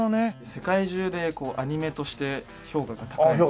世界中でアニメとして評価が高いっていうか。